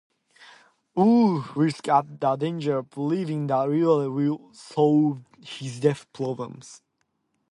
Wolff risks the dangers believing the reward will solve his debt problems.